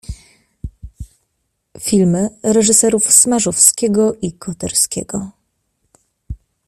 Filmy reżyserów Smarzowskiego i Koterskiego.